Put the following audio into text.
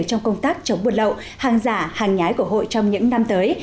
trong công tác chống buôn lậu hàng giả hàng nhái của hội trong những năm tới